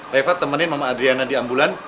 leva temenin mama adriana di ambulan